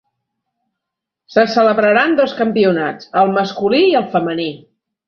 Se celebraran dos campionats, el masculí i el femení.